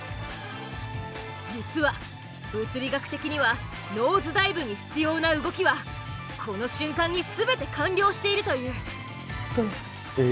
実は物理学的にはノーズダイブに必要な動きはこの瞬間に全て完了しているという。